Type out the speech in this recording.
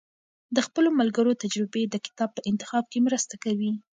د خپلو ملګرو تجربې د کتاب په انتخاب کې مرسته کوي.